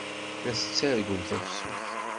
La tettargum tafsut!